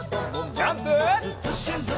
ジャンプ！